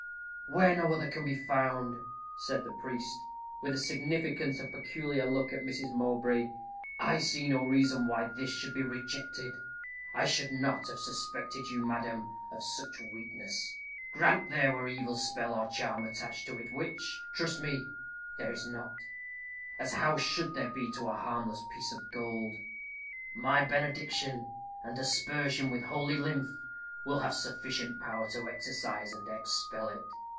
"Where no other can be found," said the priest, with a significant and peculiar look at Mrs. Mowbray, "I see no reason why this should be rejected. I should not have suspected you, madam, of such weakness. Grant there were evil spell, or charm, attached to it, which, trust me, there is not as how should there be, to a harmless piece of gold? my benediction, and aspersion with holy lymph, will have sufficient power to exorcise and expel it.